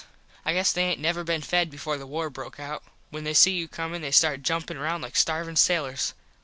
I guess they aint never been fed before the war broke out. When they see you comin they start jumpin round like starvin sailurs.